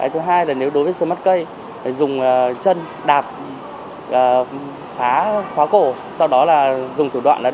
thứ hai là nếu đối với xe mắt cây dùng chân đạp khóa cổ sau đó dùng thủ đoạn đẩy xe